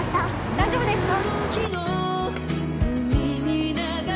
大丈夫ですか？